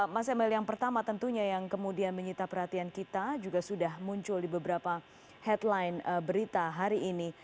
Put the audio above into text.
mas emil yang pertama tentunya yang kemudian menyita perhatian kita juga sudah muncul di beberapa headline berita hari ini